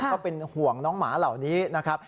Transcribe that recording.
ก็เป็นห่วงน้องหมาเหล่านี้นะครับ